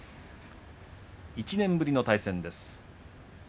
１年ぶりの対戦です。